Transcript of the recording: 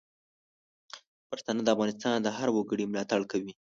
پښتانه د افغانستان د هر وګړي ملاتړ کوي.